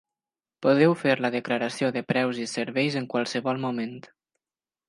Podeu fer la declaració de preus i serveis en qualsevol moment.